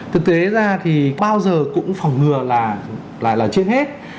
thực tế ra thì bao giờ cũng phòng ngừa là chiếc hết